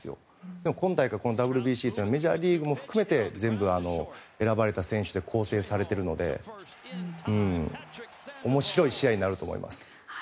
でも今大会、ＷＢＣはメジャーリーグも含めて全部選ばれた選手で構成されているので面白い試合になると思います。